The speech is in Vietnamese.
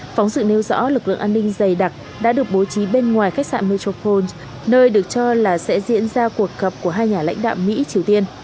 phóng sự nêu rõ lực lượng an ninh dày đặc đã được bố trí bên ngoài khách sạn metropole nơi được cho là sẽ diễn ra cuộc gặp của hai nhà lãnh đạo mỹ triều tiên